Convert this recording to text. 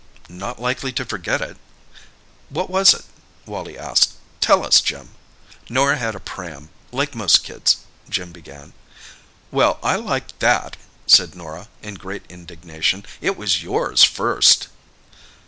"Not likely to forget it." "What was it?" Wally asked. "Tell us, Jim." "Norah had a pram—like most kids," Jim began. "Well, I like that," said Norah, in great indignation. "It was yours first!"